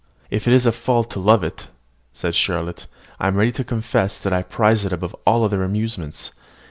"If it is a fault to love it," said Charlotte, "I am ready to confess that I prize it above all other amusements.